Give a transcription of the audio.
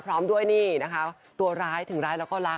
พร้อมด้วยนี่นะคะตัวร้ายถึงร้ายแล้วก็รัก